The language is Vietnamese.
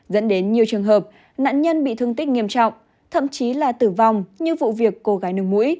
dẫn đến nhiều trường hợp nạn nhân bị thương tích nghiêm trọng thậm chí là tử vong như vụ việc cô gái đường mũi